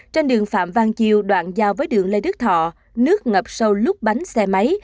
trên đường phạm vang chiều đoạn giao với đường lê đức thọ nước ngập sâu lút bánh xe máy